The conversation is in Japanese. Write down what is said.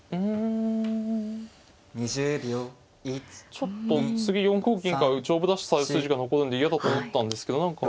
ちょっと次４五銀から上部脱出される筋が残るんで嫌だと思ったんですけど何か。